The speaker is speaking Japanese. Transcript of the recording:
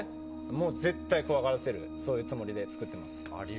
もう絶対に怖がらせるつもりで作っています。